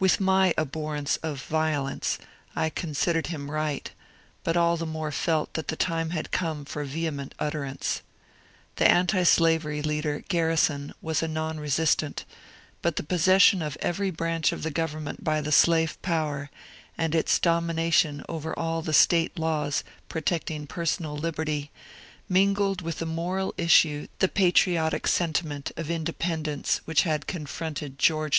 With my abhorrence of violence I considered him right, but all the more felt that the time had come for vehement utterance. The antislavery leader, Gbmison, was a non resistant, but the possession of every branch of the government by the slave power, and its domination over all the State laws protecting personal lib erty, mingled with the moral issue the patriotic sentiment of independence which had confronted George III.